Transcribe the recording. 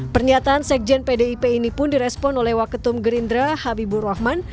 pernyataan sekjen pdip ini pun direspon oleh waketum gerindra habibur rahman